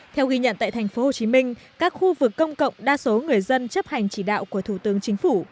theo ghi nhận tại tp hcm các khu vực công cộng đa số người dân chấp hành chỉ đạo của thủ tướng chính phủ